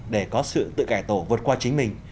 để có sự tự cải tổ vượt qua chính mình